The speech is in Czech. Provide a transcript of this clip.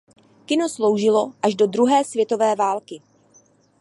Kino sloužilo až do druhé světové války.